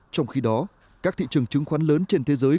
trong khi đó các thị trường chứng khoán lớn trên thế giới